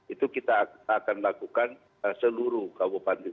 itu kita akan lakukan seluruh kabupaten